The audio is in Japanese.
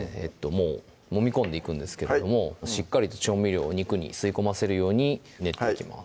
もうもみ込んでいくんですけどもしっかりと調味料肉に吸い込ませるように練っていきます